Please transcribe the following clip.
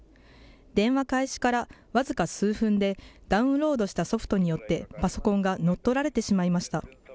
電話開始から僅か数分でダウンロードしたソフトによってパソコンが乗っ取られてしまいました。